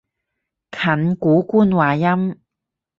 近古官話音